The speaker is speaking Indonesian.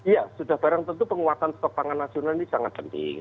ya sudah barang tentu penguatan stok pangan nasional ini sangat penting